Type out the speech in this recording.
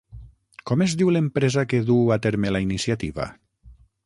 Com es diu l'empresa que duu a terme la iniciativa?